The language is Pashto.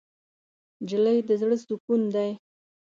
نجلۍ د زړه سکون دی.